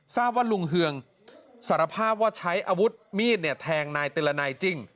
ทราบว่าลุงเฮืองสารภาพว่าใช้อาวุธมีดแทงนายติรนัยจริง